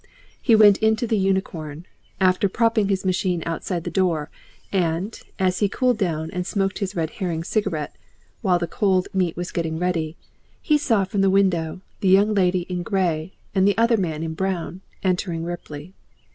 He went into the Unicorn, after propping his machine outside the door, and, as he cooled down and smoked his Red Herring cigarette while the cold meat was getting ready, he saw from the window the Young Lady in Grey and the other man in brown, entering Ripley.